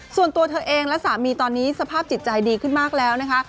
ส่วนตัวเธอเองและสามีตอนนี้สภาพจิตใจดีขึ้นมากแล้วนะคะ